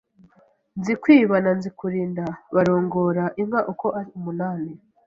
Nzikwiba na Nzikurinda barongora inka uko ari umunani